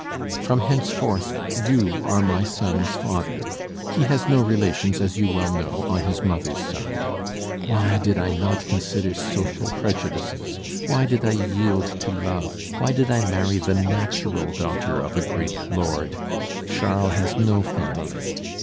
From henceforth you are my son's father; he has no relations, as you well know, on his mother's side. Why did I not consider social prejudices? Why did I yield to love? Why did I marry the natural daughter of a great lord? Charles has no family.